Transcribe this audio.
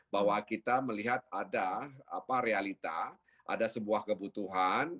bahwa kita melihat ada realita ada sebuah kebutuhan